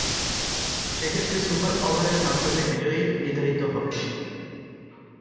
সেক্ষেত্রে সুপার ওভারের মাধ্যমে বিজয়ী নির্ধারিত হবে।